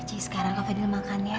jadi sekarang kak fadil makan ya